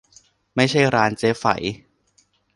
ไม่ใช่ร้านเจ๊ไฝ